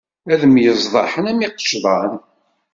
Ad myeẓḍaḥen am yiqecḍan.